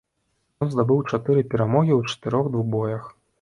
Ён здабыў чатыры перамогі ў чатырох двубоях.